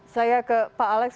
saya ke pak alex